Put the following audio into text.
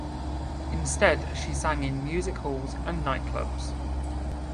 Instead, she sang in music halls and nightclubs.